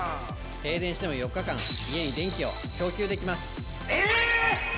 停電しても４日間家に電気を供給できます！